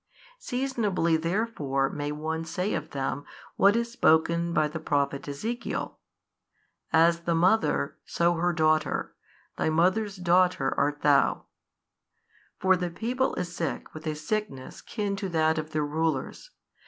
Seasonably therefore may one say of them what is spoken by the Prophet Ezekiel, As the mother, so her daughter; thy mother's daughter art THOU; for the people is sick with a sickness kin to that of their rulers.